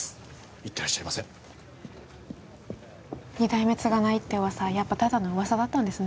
いってらっしゃいませ二代目継がないって噂はやっぱただの噂だったんですね